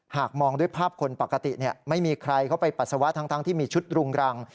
หากมองด้วยภาพคนปกติไม่มีใครเข้าไปปัสสาวะทั้งที่มีชุดรุงรัง